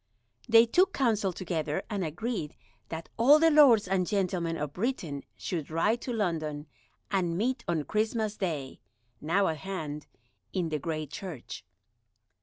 They took counsel together, and agreed that all the lords and gentlemen of Britain should ride to London and meet on Christmas Day, now at hand, in the Great Church.